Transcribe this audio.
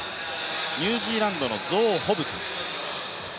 ニュージーランドのゾー・ホブス。